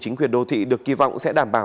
chính quyền đô thị được kỳ vọng sẽ đảm bảo